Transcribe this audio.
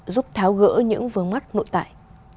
giúp tháo gỡ những vướng mắt nội tại